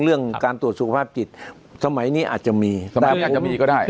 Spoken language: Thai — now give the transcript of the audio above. เรื่องการตรวจสุขภาพจิตสมัยนี้อาจจะมีอาจจะมีก็ได้